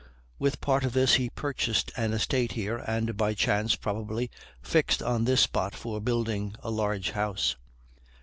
With part of this he purchased an estate here, and, by chance probably, fixed on this spot for building a large house.